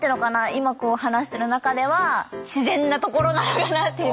今こう話してる中では自然なところなのかなっていう。